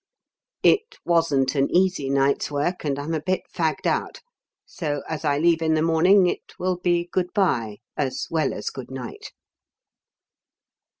"It wasn't an easy night's work, and I'm a bit fagged out. So, as I leave in the morning, it will be good bye as well as good night."